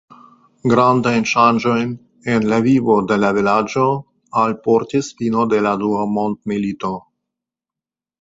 Grandajn ŝanĝojn en la vivo de la vilaĝo alportis fino de la dua mondmilito.